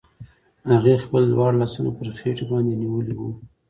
هغې خپل دواړه لاسونه پر خېټې باندې نيولي وو.